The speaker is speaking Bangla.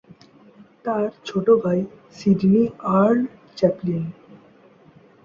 তার ছোট ভাই সিডনি আর্ল চ্যাপলিন।